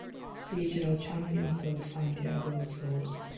Regional Champions of Santiago Sul